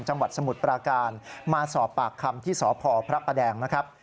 สมุทรปราการมาสอบปากคำที่สพพระประแดงนะครับ